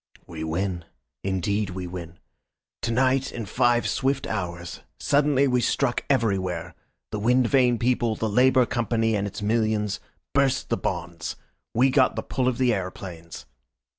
"We win. Indeed we win. To night, in five swift hours. Suddenly we struck everywhere. The wind vane people, the Labour Company and its millions, burst the bonds. We got the pull of the aeroplanes."